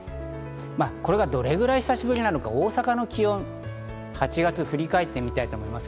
これがどれぐらい久しぶりか大阪の気温、８月を振り返りたいと思います。